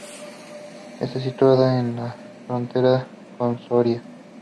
Está situada en la frontera con Soria.